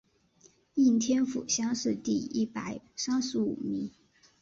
应天府乡试第一百三十五名。